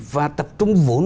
và tập trung vốn